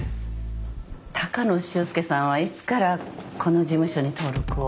高野修介さんはいつからこの事務所に登録を？